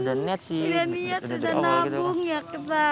udah niat udah nabung ya